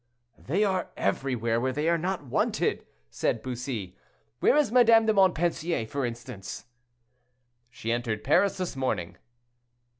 "They are everywhere where they are not wanted," said Bussy. "Where is Madame de Montpensier, for instance?" "She entered Paris this morning."